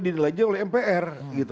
dirilainya oleh mpr